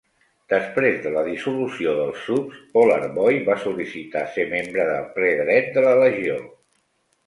Després de la dissolució dels Subs, Polar Boy va sol·licitar ser membre de ple dret de la Legió.